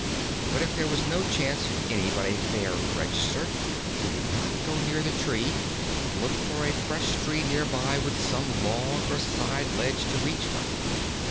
But if there was no chance for any but a fair register, he would not go near the tree, but looked for a fresh tree near by with some log or side ledge to reach from.